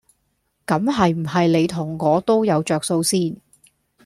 咁係唔係你同我都有着數先？